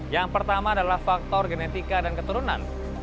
yang pertama adalah faktor genetika dan keturunan